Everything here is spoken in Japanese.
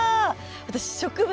私植物